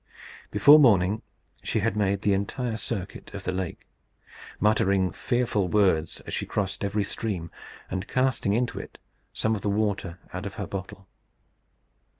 Before morning she had made the entire circuit of the lake, muttering fearful words as she crossed every stream, and casting into it some of the water out of her bottle.